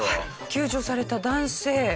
救助された男性。